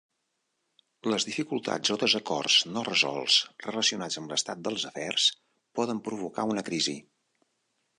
Les dificultats o desacords no resolts relacionats amb l'estat dels afers poden provocar una crisi.